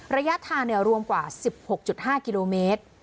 ระยะทางรวมกว่า๑๖๕กิโลเมตร